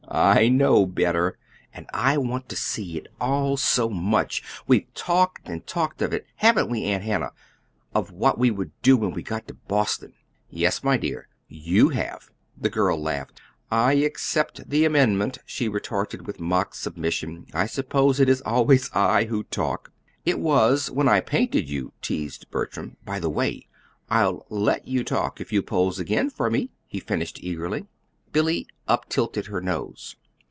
"I know better; and I want to see it all so much. We've talked and talked of it; haven't we, Aunt Hannah? of what we would do when we got to Boston?" "Yes, my dear; YOU have." The girl laughed. "I accept the amendment," she retorted with mock submission. "I suppose it is always I who talk." "It was when I painted you," teased Bertram. "By the way, I'll LET you talk if you'll pose again for me," he finished eagerly. Billy uptilted her nose.